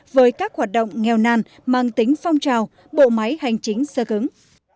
với các hoạt động nghèo nàn mang tính phong trào bộ máy hành chính sơ cứng